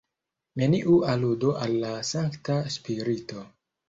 Neniu aludo al la Sankta Spirito.